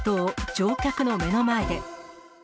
乗客の目の前で。